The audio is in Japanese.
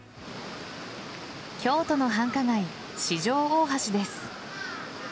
京都の繁華街・四条大橋です。